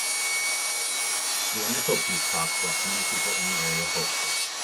The initial peace talks left many people in the area hopeful.